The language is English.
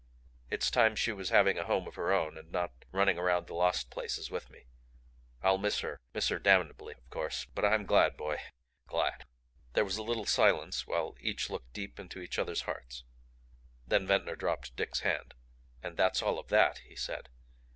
It's time she was having a home of her own and not running around the lost places with me. I'll miss her miss her damnably, of course. But I'm glad, boy glad!" There was a little silence while each looked deep into each other's hearts. Then Ventnor dropped Dick's hand. "And that's all of THAT," he said.